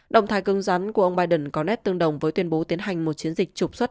động thái cưng rắn của ông biden có nét tương đồng với tuyên bố tiến hành một chiến dịch trục xuất